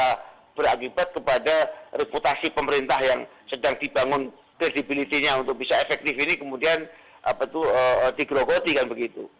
mengambat proses regroupment ini yang bisa berakibat kepada reputasi pemerintah yang sedang dibangun credibility nya untuk bisa efektif ini kemudian apa tuh digelokotikan begitu